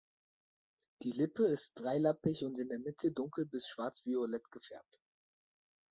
Die Lippe ist dreilappig und in der Mitte dunkel- bis schwarzviolett gefärbt.